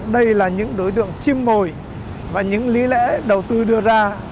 đây là những đối tượng chim mồi và những lý lẽ đầu tư đưa ra